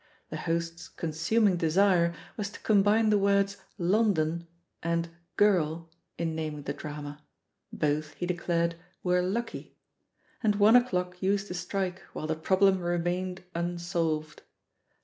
The host's consuming desire was to combine the words "London" and "Girl" in naming the drama — bothy he declared, were "lucky" — and one o'clock used to strike while the problem remained un fiolved.